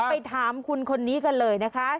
ไปถามคุณคนนี้กันเลยนะคะ